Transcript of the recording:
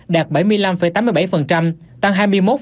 đạt bảy mươi năm tám mươi bảy tăng